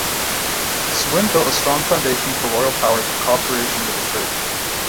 Sweyn built a strong foundation for royal power through cooperation with the church.